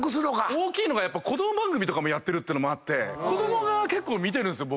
大きいのが子供番組やってるってのもあって子供が結構見てるんすよ。